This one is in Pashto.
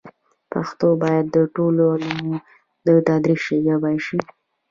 پښتو باید د ټولو علومو د تدریس ژبه شي.